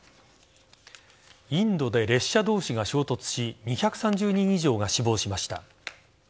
インドで列車同士が衝突し２３０人以上が死亡しました。